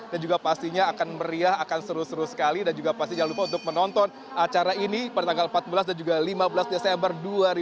dan juga pastinya akan meriah akan seru seru sekali dan juga pastinya jangan lupa untuk menonton acara ini pada tanggal empat belas dan juga lima belas desember dua ribu sembilan belas